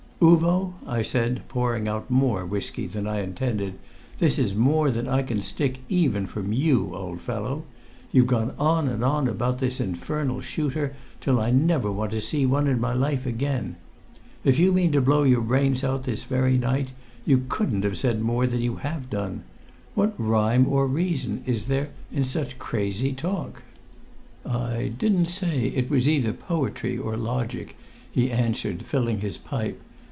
"Uvo," I said, pouring out more whisky than I intended, "this is more than I can stick even from you, old fellow! You've gone on and on about this infernal shooter till I never want to see one in my life again. If you meant to blow out your brains this very night, you couldn't have said more than you have done. What rhyme or reason is there in such crazy talk?" "I didn't say it was either poetry or logic," he answered, filling his pipe.